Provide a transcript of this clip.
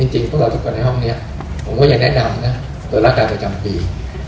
เอ่อจริงพวกเราทุกคนในห้องเนี้ยผมก็อยากแนะนำนะตัวราการประจำปี